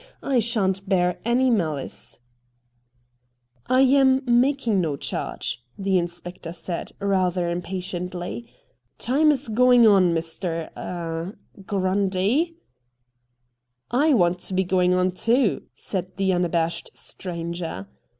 I shan't bear any malice.' MR. RATT GUNDY 121 ' I am making no charge/ the inspector said, rather impatiently. ' Time is going on, Mr. — ah — Grundy.' ' I want to be going on, too,' said the un abashed stranger.